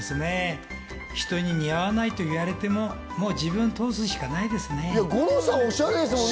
人に似合わないと言われてももう自分を通すしかないですね。